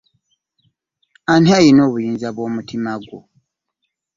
Ani alina obuyinza bwo mutima gwo?